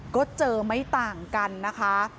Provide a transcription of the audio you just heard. ก็เจอไม่ต่างกันนะคะ